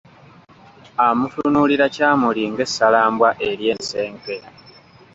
Amutunulira kyamuli ng’essalambwa ery’ensenke.